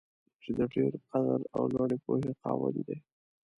چې د ډېر قدر او لوړې پوهې خاوند دی.